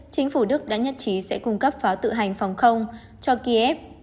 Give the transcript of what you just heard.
chính phủ đức đã nhất trí sẽ cung cấp pháo tự hành phòng không cho kiev